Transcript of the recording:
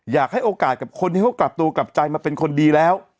อยากให้โอกาสกับคนที่เขากลับตัวกลับใจมาเป็นคนดีแล้ว